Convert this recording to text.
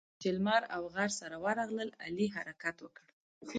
چې لمر او غر سره ورغلل؛ علي حرکت وکړ.